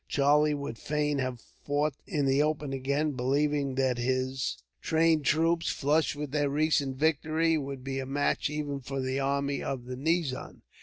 Charlie would fain have fought in the open again, believing that his trained troops, flushed with their recent victory, would be a match even for the army of the nizam.